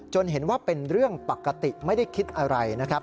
เห็นว่าเป็นเรื่องปกติไม่ได้คิดอะไรนะครับ